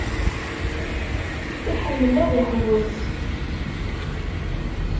Iḥemmel ad iḥewwes.